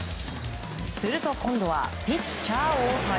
すると今度はピッチャー大谷。